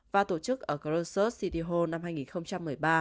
và tổ chức ở krosod city hall năm hai nghìn một mươi ba